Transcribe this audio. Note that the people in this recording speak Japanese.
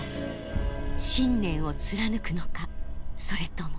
信念を貫くのかそれとも。